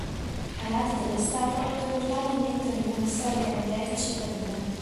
Ai lati della statua, due portali immettono in una storica enoteca cittadina.